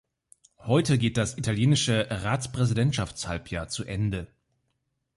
Heute geht das italienische Ratspräsidentschaftshalbjahr zu Ende.